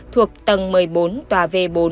thuộc tầng một mươi bốn tòa v bốn